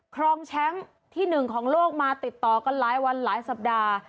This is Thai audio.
ครองแชมป์ที่๑ของโลกมาติดต่อกันหลายวันหลายสัปดาห์